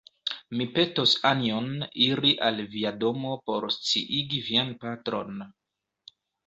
Mi petos Anjon iri al via domo por sciigi vian patron.